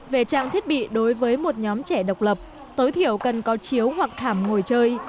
về trang thiết bị đối với một nhóm trẻ độc lập tối thiểu cần có chiếu hoặc thảm ngồi chơi